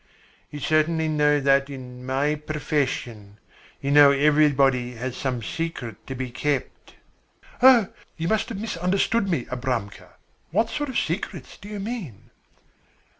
You certainly know that in my profession you know everybody has some secret to be kept." "Oh, you must have misunderstood me, Abramka. What sort of secrets do you mean?"